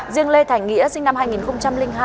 riêng lê thành nghĩa sinh năm hai nghìn hai